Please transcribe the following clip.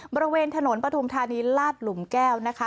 บริเวณถนนปฐุมธานีลาดหลุมแก้วนะคะ